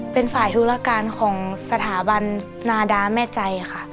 เป็นฝ่ายธุรการของสถาบันนาดาแม่ใจค่ะ